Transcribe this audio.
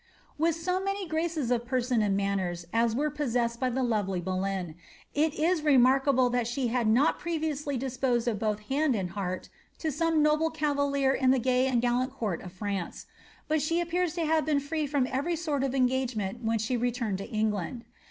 Witli so many graces of person and manners as were poaseased by the lovely Boleyn, it is remarkable that she had not previously disposed of both hand and heart to some noble cavalier in the gay and gallant court of France ; but she appears to have been free from every aort of etigagement when she returned to England.